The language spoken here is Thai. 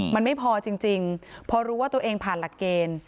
มันไม่พอจริงพอรู้ว่าตัวเองผ่านหลักเกณฑ์